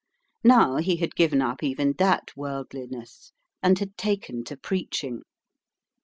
Now he had given up even that worldliness, and had taken to preaching.